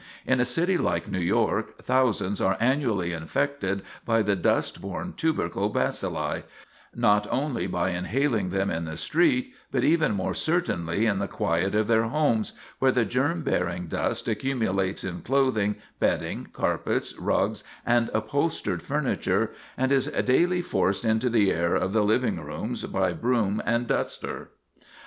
In a city like New York thousands are annually infected by the dust borne tubercle bacilli, not only by inhaling them in the street, but even more certainly in the quiet of their homes, where the germ bearing dust accumulates in clothing, bedding, carpets, rugs, and upholstered furniture, and is daily forced into the air of the living rooms by broom and duster.